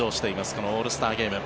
このオールスターゲーム。